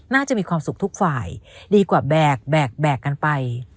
น่าจะมีความสุขทุกฝ่ายดีกว่าแบกแบกกันไป